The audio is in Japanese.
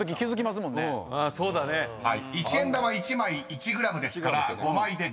［１円玉１枚１ｇですから５枚で５ｇ］